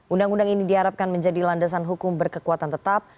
undang undang ini diharapkan menjadi landasan hukum berkekuatan tetap